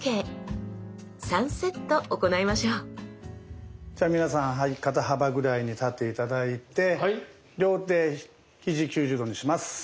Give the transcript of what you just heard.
つま先立ちというじゃあ皆さん肩幅ぐらいに立って頂いて両手ひじ９０度にします。